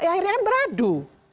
ya akhirnya kan beradu